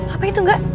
apa itu nggak